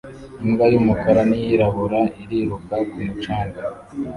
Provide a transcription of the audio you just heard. Imbwa y'umukara n'iyirabura iriruka ku mucanga